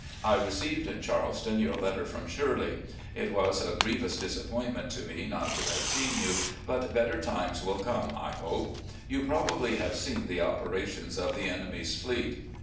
I received in Charleston your letter from Shirley. It was a grievous disappointment to me not to have seen you, but better times will come, I hope. ... You probably have seen the operations of the enemy's fleet.